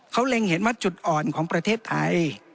เขาเล็งเห็นว่าจุดอ่อนของประเทศไทย